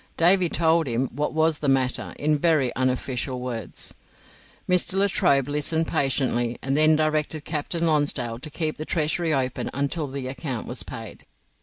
Davy told him what was the matter in very unofficial words. Mr. Latrobe listened patiently and then directed Captain Lonsdale to keep the Treasury open until the account was paid.